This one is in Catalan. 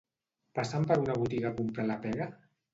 Passen per una botiga a comprar la pega?